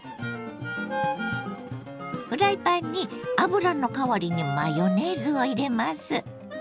フライパンに油の代わりにマヨネーズを入れます。